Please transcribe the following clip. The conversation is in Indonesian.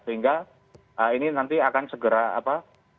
sehingga ini nanti akan segera apa